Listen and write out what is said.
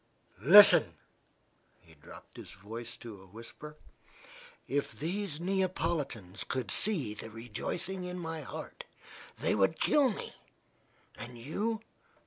Listen," he dropped his voice to a whisper: "if these Neapolitans could see the rejoicing in my heart, they would kill me. And you?